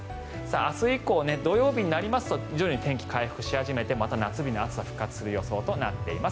明日以降、土曜日になりますと徐々に天気が回復し始めて夏日の暑さが復活する予想となっています。